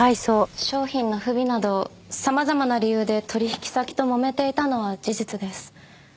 商品の不備など様々な理由で取引先ともめていたのは事実です。